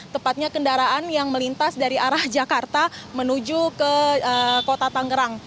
tepatnya kendaraan yang melintas dari arah jakarta menuju ke kota tangerang